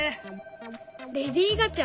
レディー・ガチャ！